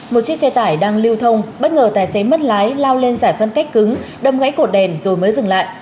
một chiếc xe tải đang lưu thông bất ngờ tài xế mất lái lao lên giải phân cách cứng đâm gãy cột đèn rồi mới dừng lại